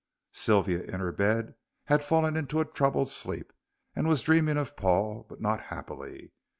Sylvia, in her bed, had fallen into a troubled sleep, and was dreaming of Paul, but not happily.